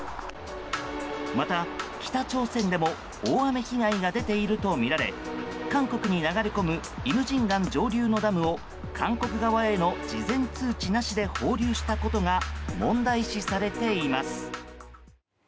また北朝鮮でも大雨被害が出ているとみられ韓国に流れ込むイムジンガン上流のダムを韓国側への事前通知なしで放流したことが問題視されています。